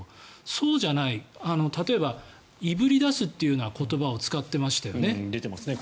そうじゃない、例えばいぶり出すという言葉を使っていましたよね。